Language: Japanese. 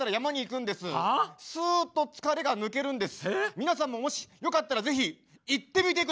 みなさんももしよかったらぜひ行ってみて下さい。